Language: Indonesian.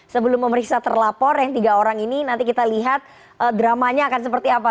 sebelum memeriksa terlapor yang tiga orang ini nanti kita lihat dramanya akan seperti apa